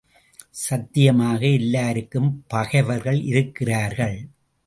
சத்தியமாக எல்லாருக்கும் பகைவர்கள் இருக்கிறார்கள்!